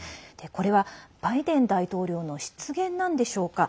これは、バイデン大統領の失言なんでしょうか。